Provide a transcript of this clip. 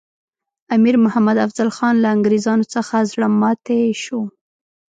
امیر محمد افضل خان له انګریزانو څخه زړه ماتي شو.